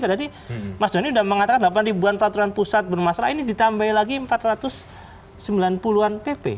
tadi mas doni sudah mengatakan delapan ribuan peraturan pusat bermasalah ini ditambahi lagi empat ratus sembilan puluh an pp